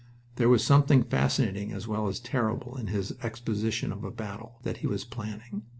There was something fascinating as well as terrible in his exposition of a battle that he was planning.